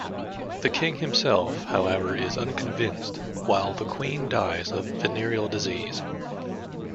The king himself, however is unconvinced, while the Queen dies of venereal disease.